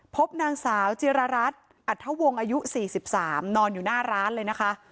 พบนางสาวจิรารัสอัตเทาวงอายุสี่สิบสามนอนอยู่หน้าร้านเลยนะคะ